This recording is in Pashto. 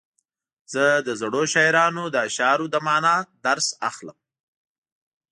زه د زړو شاعرانو د اشعارو له معنا درس اخلم.